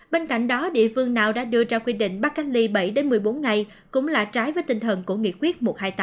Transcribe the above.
bên cạnh đó địa phương nào đã đưa ra quy định bắt cách ly bảy một mươi bốn ngày cũng là trái với tinh thần của nghị quyết một trăm hai mươi tám